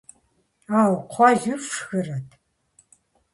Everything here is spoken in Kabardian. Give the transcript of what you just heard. Ӏэу, кхъуэли фшхырэт?